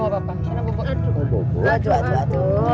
mereka mengikatulkan typo